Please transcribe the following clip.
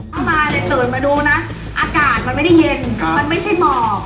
เมื่อวานเนี่ยตื่นมาดูนะอากาศมันไม่ได้เย็นมันไม่ใช่หมอก